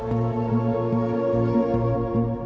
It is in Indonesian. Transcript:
saya sudah selesai mencari